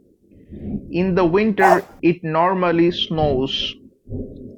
In the winter it normally snows.